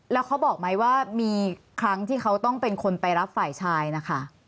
แล้วเขาบอกไหมว่ามีครั้งที่เขาต้องเป็นคนไปรับฝ่ายชายนะคะ